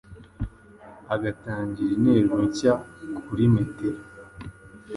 agatangira interuro nshya kuri metero